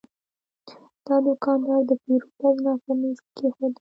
دا دوکاندار د پیرود اجناس په میز کې کېښودل.